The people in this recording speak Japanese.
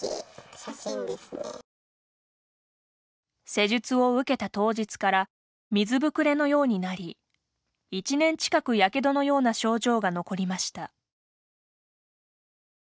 施術を受けた当日から水ぶくれのようになり１年近くやけどのような症状が残りました。